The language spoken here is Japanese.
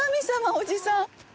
おじさん。